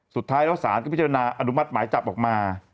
สุดท้ายแล้วศาลก็พิจารณาอนุมัติหมายจับออกมา